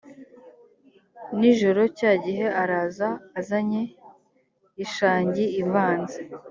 nijoro cya gihe araza azanye ishangi ivanze